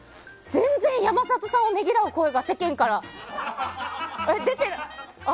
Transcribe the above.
全然、山里さんをねぎらう声が世間から出て。